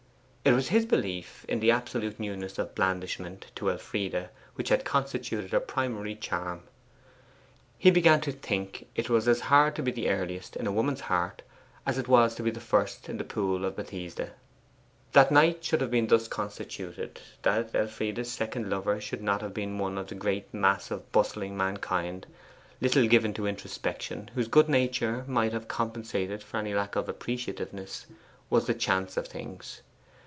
It was his belief in the absolute newness of blandishment to Elfride which had constituted her primary charm. He began to think it was as hard to be earliest in a woman's heart as it was to be first in the Pool of Bethesda. That Knight should have been thus constituted: that Elfride's second lover should not have been one of the great mass of bustling mankind, little given to introspection, whose good nature might have compensated for any lack of appreciativeness, was the chance of things.